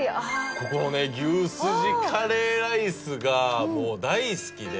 ここのね牛すじカレーライスがもう大好きで。